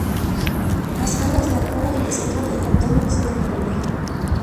Las alas, la cola y el centro del abdomen son de color negro.